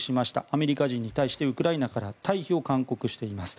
アメリカ人に対してウクライナから退避を勧告しています。